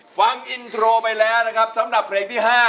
ฟังอินโทรไปแล้วนะครับสำหรับเพลงที่๕